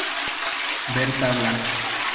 Ver tabla.